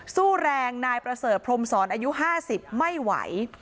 สู้แรงนายประเสริฐพรมศรอายุ๕๐ไม่ไหว